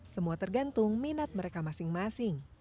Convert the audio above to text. semua tergantung minat mereka masing masing